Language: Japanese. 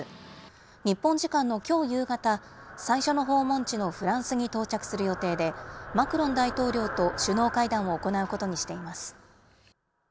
日本時間のきょう夕方、最初の訪問地のフランスに到着する予定で、マクロン大統領と首脳会談を行うことにしています。